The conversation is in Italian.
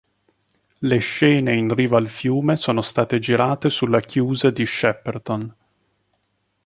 Le scene in riva al fiume sono state girate sulla chiusa di Shepperton.